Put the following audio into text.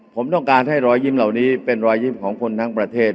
ผมต้องการให้รอยยิ้มเหล่านี้เป็นรอยยิ้มของคนทั้งประเทศ